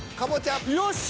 よし！